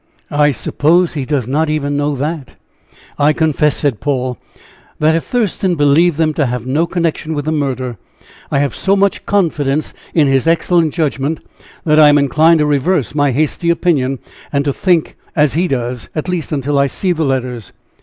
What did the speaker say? "I suppose he does not even know that." "I confess," said Paul, "that if Thurston believed them to have no connection with the murder, I have so much confidence in his excellent judgment, that I am inclined to reverse my hasty opinion, and to think as he does, at least until I see the letters.